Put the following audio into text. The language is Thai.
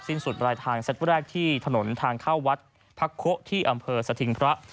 สุดปลายทางเซตแรกที่ถนนทางเข้าวัดพระโคที่อำเภอสถิงพระ